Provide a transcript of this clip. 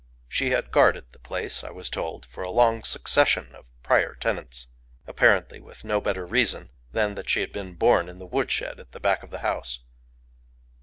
She had guarded the place, I was told, for a long succession of prior tenants—apparently with no better reason than that she had been born in the woodshed at the back of the house.